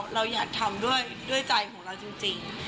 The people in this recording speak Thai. เราอยากทำด้วยใจของเราจริง